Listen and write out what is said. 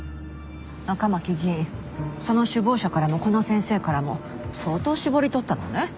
赤巻議員その首謀者からもこの先生からも相当搾り取ったのね。